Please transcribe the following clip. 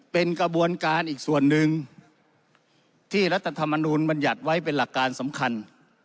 เป็นกระบวนการอีกส่วนหนึ่งที่รัฐธรรมนูลบัญญัติไว้เป็นหลักการสำคัญ